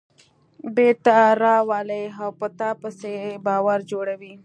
بېرته راولي او په تاسې یې باور جوړوي.